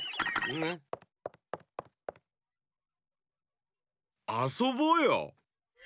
ぬ？あそぼうよ！